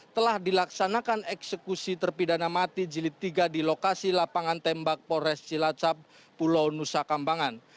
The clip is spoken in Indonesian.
telah dilaksanakan eksekusi terpidana mati jilid tiga di lokasi lapangan tembak polres cilacap pulau nusa kambangan